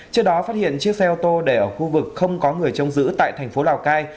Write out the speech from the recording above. trước đó phát hiện chiếc xe ô tô để ở khu vực không có người trông giữ tại thành phố lào cai